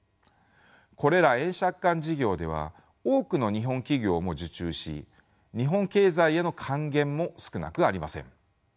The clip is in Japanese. これら円借款事業では多くの日本企業も受注し日本経済への還元も少なくありません。